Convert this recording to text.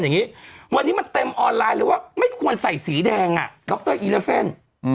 หนึ่งตุ๊ดจีนสีแดงเนี่ย